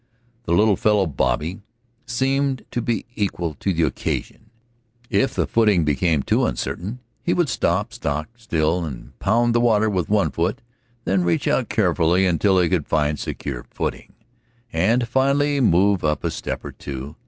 The little fellow, Bobby, seemed to be equal to the occasion. If the footing became too uncertain, he would stop stock still and pound the water with one foot, then reach out carefully until he could find secure footing, and finally move up a step or two.